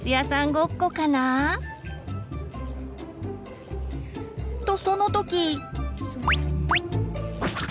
ごっこかな？とその時。